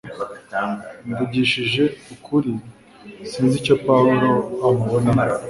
Mvugishije ukuri, sinzi icyo Pawulo amubonamo